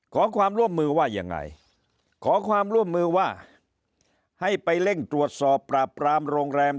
ขอความร่วมมือว่ายังไงขอความร่วมมือว่าให้ไปเร่งตรวจสอบปราบปรามโรงแรม